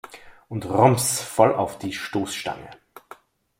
Und rums, voll auf die Stoßstange!